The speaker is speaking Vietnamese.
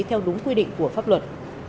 theo đúng quy định của pháp luật